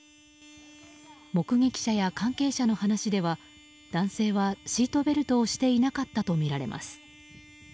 目撃者や関係者の話では男性は、シートベルトをしていなかったとみられます。